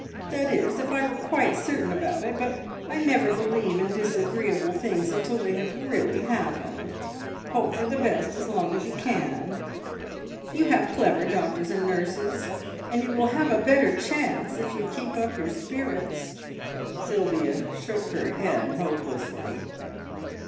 "That is, if I were quite certain about it, but I never believe in disagreeable things until they have really happened. Hope for the best as long as you can. You have clever doctors and nurses, and you will have a better chance if you keep up your spirits." Sylvia shook her head hopelessly.